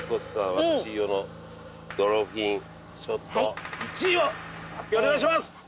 私飯尾のドルフィンショット１位を発表お願いします！